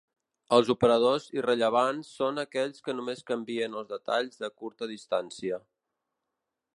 Els operadors irrellevants són aquells que només canvien els detalls de curta distància.